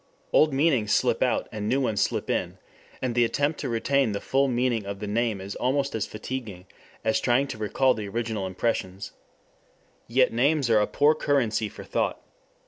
Old meanings slip out and new ones slip in, and the attempt to retain the full meaning of the name is almost as fatiguing as trying to recall the original impressions. Yet names are a poor currency for thought.